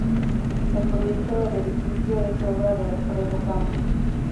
El proyecto del edificio es obra de Alfredo R. Campos.